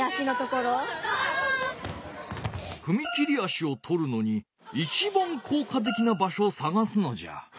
ふみ切り足をとるのにいちばんこうかてきなばしょをさがすのじゃ。